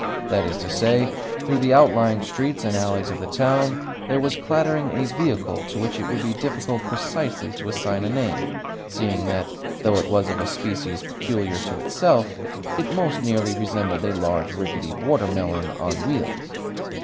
That is to say, through the outlying streets and alleys of the town there was clattering a vehicle to which it would be difficult precisely to assign a name, seeing that, though it was of a species peculiar to itself, it most nearly resembled a large, rickety water melon on wheels.